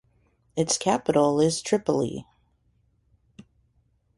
Its capital is Tripoli.